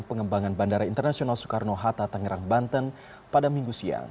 pengembangan bandara internasional soekarno hatta tangerang banten pada minggu siang